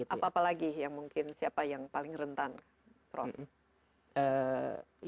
apa apa lagi yang mungkin siapa yang paling rentan prof